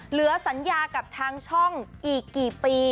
เหลือสัญญากับทางช่องอีกกี่ปี